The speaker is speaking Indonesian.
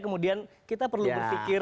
kemudian kita perlu berpikir